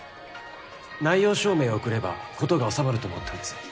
内容証明を送れば事が収まると思ったんです。